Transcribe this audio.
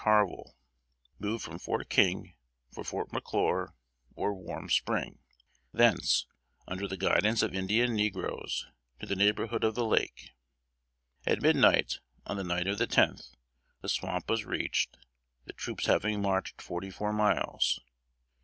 Harvil, moved from Fort King for Fort McClure or Warm Spring; thence, under the guidance of Indian negroes, to the neighborhood of the lake. At midnight, on the night of the tenth, the swamp was reached; the troops having marched forty four miles.